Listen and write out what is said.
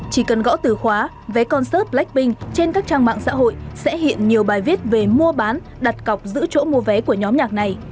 chỉ cần gõ từ khóa vé concep blackpink trên các trang mạng xã hội sẽ hiện nhiều bài viết về mua bán đặt cọc giữ chỗ mua vé của nhóm nhạc này